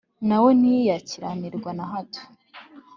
Na we ntiyakiranirwa na hato,